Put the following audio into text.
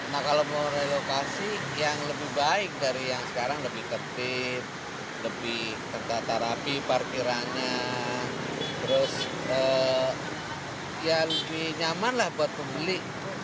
nah kalau mau relokasi yang lebih baik dari yang sekarang lebih tertib lebih tertata rapi parkirannya terus ya lebih nyaman lah buat pembeli